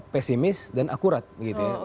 pesimis dan akurat gitu ya